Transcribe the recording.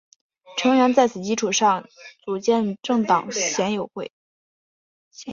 成员在此基础上组建政党宪友会。